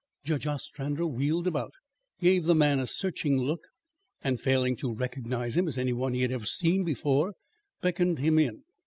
Judge Ostrander wheeled about, gave the man a searching look, and failing to recognise him as any one he had ever seen before, beckoned him in.